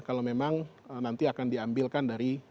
kalau memang nanti akan diambilkan dari